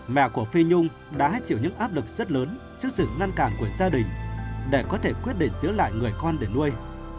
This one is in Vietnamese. mẹ của phi nhung đã chịu những áp lực rất lớn trước sự ngăn cản của gia đình để có thể quyết định giữ lại người con để nuôi